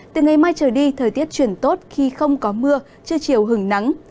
từ ngày mai trở đi thời tiết chuyển tốt khi không có mưa trưa chiều hừng nắng